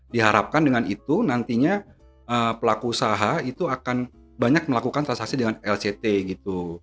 diharapkan dengan itu nantinya pelaku usaha itu akan banyak melakukan transaksi dengan lct gitu